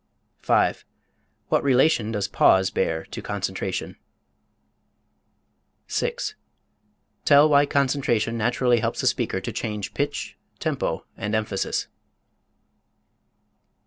5. What relation does pause bear to concentration? 6. Tell why concentration naturally helps a speaker to change pitch, tempo, and emphasis.